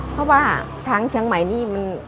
เพราะว่าทางเชียงใหม่นี่มัน